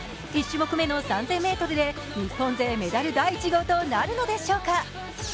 １種目めの３０００ｍで日本勢メダル１号となるでしょうか。